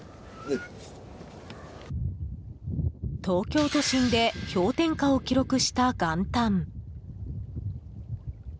東京都心で氷点下を記録した元旦。